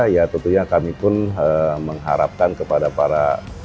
ya tentunya kami pun mengharapkan kepada para